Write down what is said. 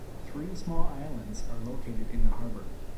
Three small islands are located in the harbour.